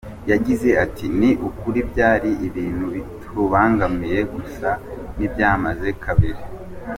Yagize ati “Ni ukuri byari ibintu bitubangamiye gusa ntibyamaze kabiri.